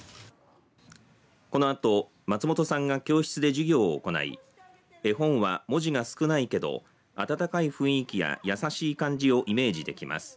このあと松本さんが教室で授業を行い絵本は文字が少ないけど温かい雰囲気や優しい感じをイメージできます。